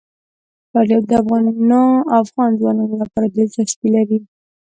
فاریاب د افغان ځوانانو لپاره دلچسپي لري.